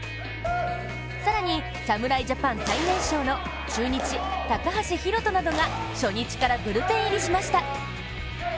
更に侍ジャパン最年少の中日・高橋宏斗などが初日からブルペン入りしました。